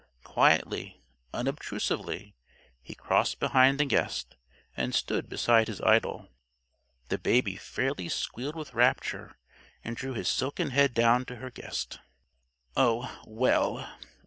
Quietly, unobtrusively, he crossed behind the guest, and stood beside his idol. The Baby fairly squealed with rapture, and drew his silken head down to her face. "Oh, well!"